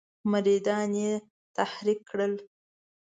مریدان یې تحریک کړل.